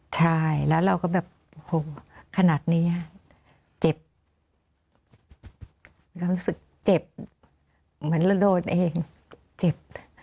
ใช่แล้วเราก็แบบโอ้โหขนาดนี้เจ็บเรารู้สึกเจ็บเหมือนเราโดนเองเจ็บ